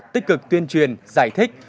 tích cực tuyên truyền giải thích